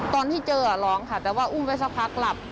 ตอนที่เจอร้องค่ะแต่ว่าอุ้มไปสักพักหลับ